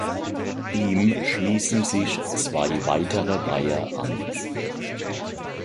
Ihm schließen sich zwei weitere Weiher an.